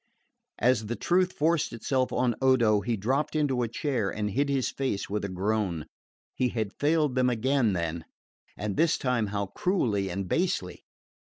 As the truth forced itself on Odo he dropped into a chair and hid his face with a groan. He had failed them again, then and this time how cruelly and basely!